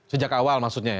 sejak awal maksudnya ya